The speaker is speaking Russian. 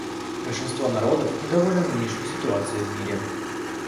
Большинство народов недовольно нынешней ситуацией в мире.